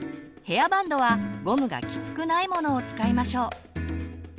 ヘアバンドはゴムがきつくないものを使いましょう。